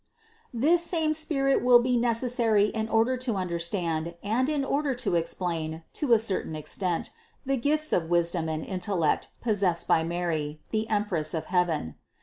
This same spirit will be necessary in order to understand and in order to explain to a certain extent the gifts of wisdom and intellect possessed by Mary, the Empress of heaven.